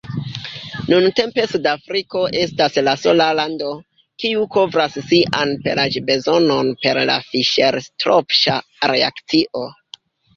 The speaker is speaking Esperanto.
Nuntempe Sudafriko estas la sola lando, kiu kovras sian pelaĵ-bezonon per la Fiŝer-Tropŝa reakcio.